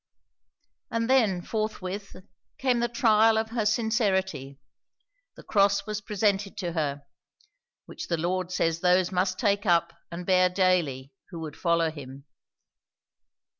And then, forthwith, came the trial of her sincerity. The cross was presented to her; which the Lord says those must take up and bear daily who would follow him.